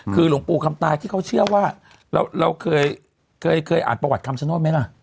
คือหลวงปู่คำตายที่เขาเชื่อว่าเราเคยอ่านประวัติคำชโนธไหมล่ะ